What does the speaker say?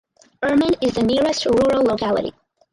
Urman is the nearest rural locality.